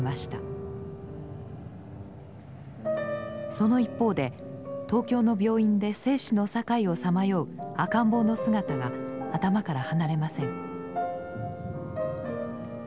その一方で東京の病院で生死の境をさまよう赤ん坊の姿が頭から離れません。